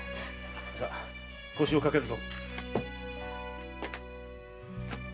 さあ腰を掛けるぞ。